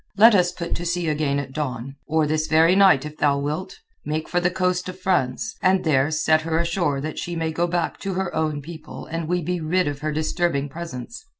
Let us put to sea again at dawn—or this very night if thou wilt—make for the coast of France, and there set her ashore that she may go back to her own people and we be rid of her disturbing presence.